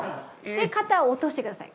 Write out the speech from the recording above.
で肩を落としてください。